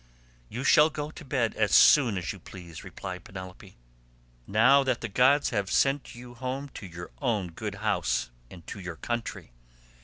"You shall go to bed as soon as you please," replied Penelope, "now that the gods have sent you home to your own good house and to your country.